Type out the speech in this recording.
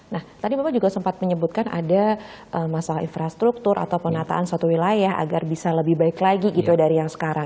nah tadi bapak juga sempat menyebutkan ada masalah infrastruktur atau penataan suatu wilayah agar bisa lebih baik lagi gitu dari yang sekarang